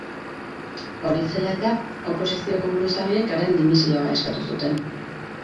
Hori zela-eta, oposizioko buruzagiek haren dimisioa eskatu zuten.